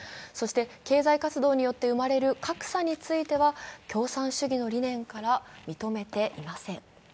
そして、経済活動によって生まれる格差については、共産主義の理念から認めていません。